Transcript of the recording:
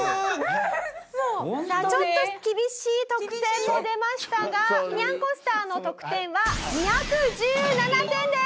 さあちょっと厳しい得点も出ましたがにゃんこスターの得点は２１７点です。